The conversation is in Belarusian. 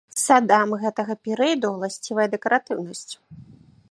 Садам гэтага перыяду ўласцівая дэкаратыўнасць.